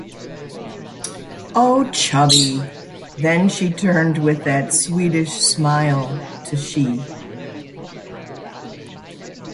“Oh, Chubby!” Then she turned with that sweetish smile to she.